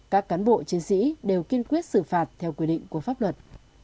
các cán bộ chiến sĩ đều kiên quyết xử phạt theo quy định của pháp luật